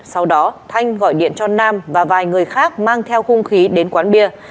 sau đó thanh gọi điện cho nam và vài người khác mang theo hung khí đến quán bia